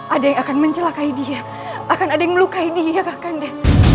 ada yang akan mencelakai dia akan ada yang melukai dia kakaknya